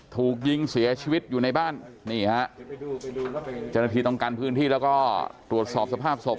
ถูกยิงเสียชีวิตอยู่ในบ้านนี่ฮะเจ้าหน้าที่ต้องกันพื้นที่แล้วก็ตรวจสอบสภาพศพ